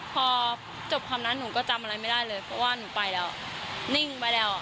พอจบความนั้นหนูก็จำอะไรไม่ได้เลยเพราะว่าหนูไปแล้วนิ่งไปแล้ว